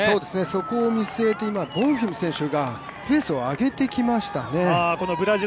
そこを見据えてボンフィム選手がペースを上げてきましたね。